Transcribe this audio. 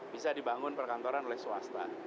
bisa dibangun perkantoran oleh swasta